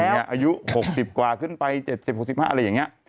อายุ๖๐กว่าขึ้นไป๗๐๖๕อะไรอย่างนี้